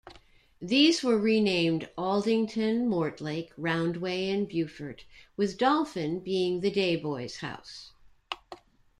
These were renamed Aldington, Mortlake, Roundway and Beaufort, with Dolphin being the day-boys house.